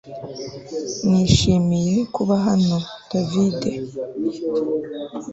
Nishimiye kuba hano David